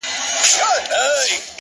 ددوی دپانسۍ يا اعدام رسۍ ده